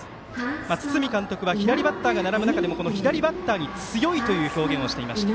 堤監督は左バッターが並ぶ中でも左バッターに強いという表現をしていました。